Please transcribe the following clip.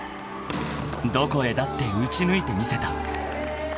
［どこへだって打ち抜いてみせた］